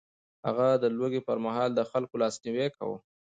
هغه د لوږې پر مهال د خلکو لاسنيوی کاوه.